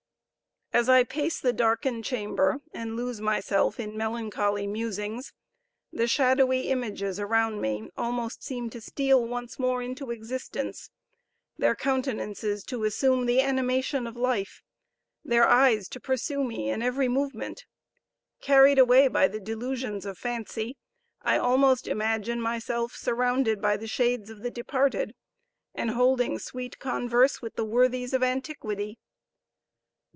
As I pace the darkened chamber, and lose myself in melancholy musings, the shadowy images around me almost seem to steal once more into existence, their countenances to assume the animation of life their eyes to pursue me in every movement! Carried away by the delusions of fancy, I almost imagine myself surrounded by the shades of the departed, and holding sweet converse with the worthies of antiquity!